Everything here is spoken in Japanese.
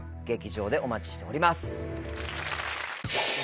劇場でお待ちしております。